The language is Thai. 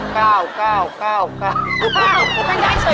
๑๙คุณไม่ได้เฉยเลย